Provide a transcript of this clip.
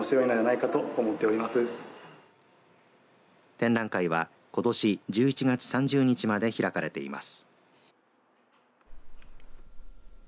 展覧会はことし１１月３０日まで開かれています。